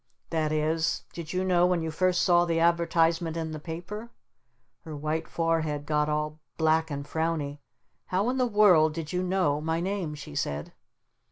"That is, did you know when you first saw the advertisement in the paper." Her white forehead got all black and frowny. "How in the world did you know my name?" she said.